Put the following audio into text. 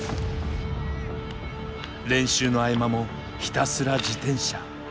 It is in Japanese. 練習の合間もひたすら自転車。